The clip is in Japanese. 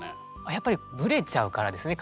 やっぱりぶれちゃうからですね